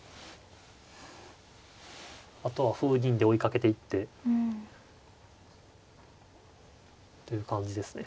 あとは歩銀で追いかけていって。という感じですね。